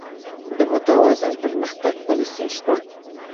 د متوازن پرمختګ پالیسي شته؟